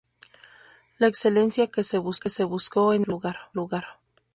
La excelencia acústica que se buscó en el primer lugar.